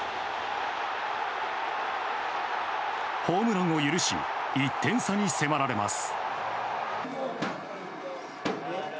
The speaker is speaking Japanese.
ホームランを許し１点差に迫られます。